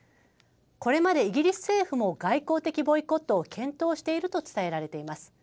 これまでイギリス政府も外交的ボイコットを検討していると伝えられています。